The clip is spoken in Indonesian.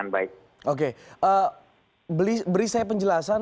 kenapa akhirnya produsen mesin pesawat ini ini saya mau bertanyakan